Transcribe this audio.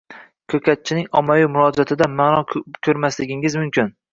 Ko‘katchining ommaviy murojaatida ma’no ko‘rmasligingiz mumkin.